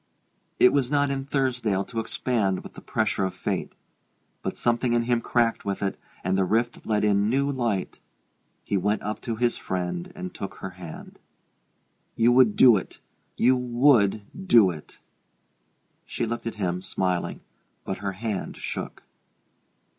It was not in Thursdale to expand with the pressure of fate; but something in him cracked with it, and the rift let in new light. He went up to his friend and took her hand. "You would do it you would do it!" She looked at him, smiling, but her hand shook.